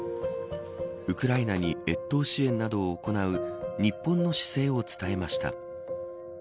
ウクライナに越冬支援などを行う日本の姿勢を伝えました。